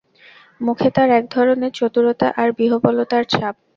মুখে তার একধরনের চতুরতা আর বিহবলতার ছাপ।